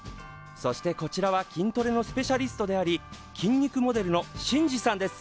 そしてこちらは筋トレのスペシャリストであり筋肉モデルのシンジさんです。